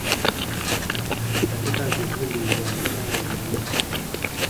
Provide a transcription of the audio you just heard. katika vivuli vya matawi ya miti